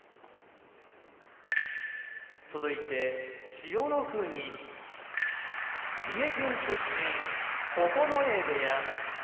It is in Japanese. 千代の国三重県出身九重部屋